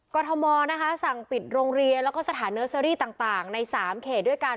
กรทมนะคะสั่งปิดโรงเรียนแล้วก็สถานเนอร์เซอรี่ต่างใน๓เขตด้วยกัน